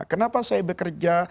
kenapa saya bekerja